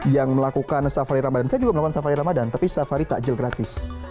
yang melakukan safari ramadan saya juga melakukan safari ramadan tapi safari takjil gratis